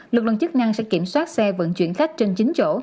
lực lượng chức năng sẽ kiểm soát xe vận chuyển khách trên chín chỗ